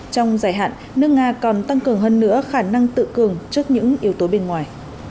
trong dài hạn nước nga còn tăng cường hơn nữa khả năng tự cường trước những yếu tố bên ngoài